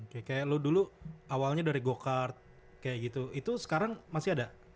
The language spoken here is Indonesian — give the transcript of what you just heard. kayak lo dulu awalnya dari go kart kayak gitu itu sekarang masih ada